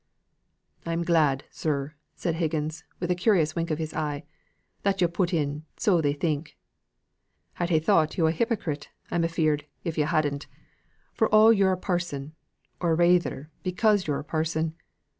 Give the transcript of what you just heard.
"I'm glad, sir," said Higgins, with a curious wink of his eye, "that yo' put in, 'so they think.' I'd ha' thought yo' a hyprocrite, I'm afeard, if yo' hadn't, for all yo'r a parson, or rayther because yo'r a parson.